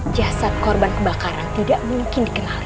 jasad korban kebakaran tidak mungkin dikenal